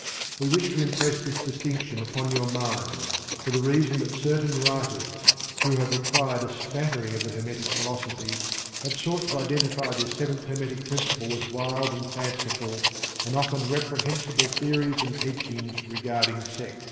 We wish to impress this distinction upon your minds, for the reason that certain writers, who have acquired a smattering of the Hermetic Philosophy, have sought to identify this Seventh Hermetic Principle with wild and fanciful, and often reprehensible, theories and teachings regarding Sex.